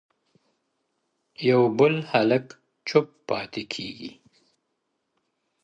يو بل هلک چوپ پاتې کيږي